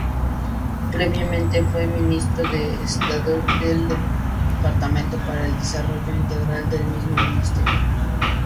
Previamente, fue Ministro de Estado del Departamento para el Desarrollo Internacional del mismo Ministerio.